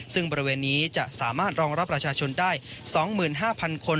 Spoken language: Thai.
ซึ่งบริเวณนี้จะสามารถรองรับประชาชนได้๒๕๐๐คน